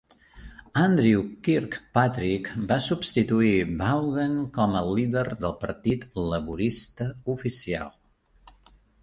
Andrew Kirkpatrick va substituir Vaughan com a líder del Partit Laborista oficial.